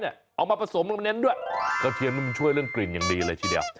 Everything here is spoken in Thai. เอามาผสมลงเน้นด้วยกระเทียมนี่มันช่วยเรื่องกลิ่นอย่างดีเลยทีเดียว